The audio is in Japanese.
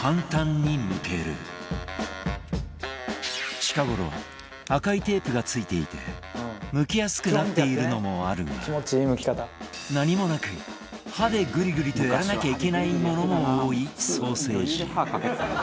近頃赤いテープが付いていてむきやすくなっているのもあるが何もなく歯でグリグリとやらなきゃいけないものも多いソーセージ